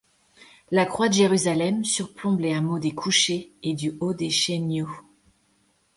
La croix de Jérusalem surplombe les hameaux des Couchets et du Haut des Chégnots.